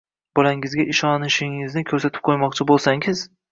bolangizga ishonishingizni ko‘rsatib qo‘ymoqchi bo‘lsangiz